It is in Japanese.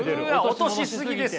落とし過ぎですよ！